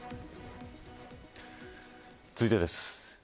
続いてです。